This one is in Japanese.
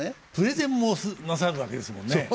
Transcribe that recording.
プレゼンもなさるわけですもんね。